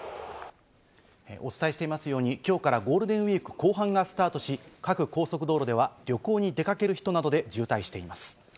お伝えしていますように今日からゴールデンウイーク後半がスタートし、各高速道路では旅行に出かける人などで渋滞しています。